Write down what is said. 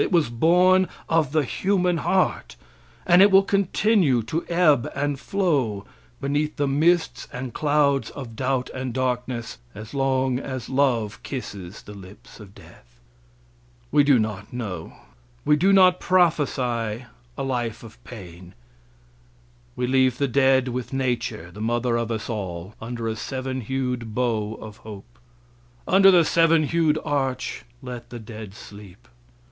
It was born of the human heart, and it will continue to ebb and flow beneath the mists and clouds of doubt and darkness as long as love kisses the lips of death. We do not know. We do not prophesy a life of pain. We leave the dead with nature, the mother of us all, under a seven hued bow of hope. Under the seven hued arch let the dead sleep.